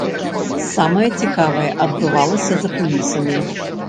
Самае цікавае адбывалася за кулісамі.